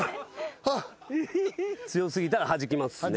強過ぎたらはじきますねこれ。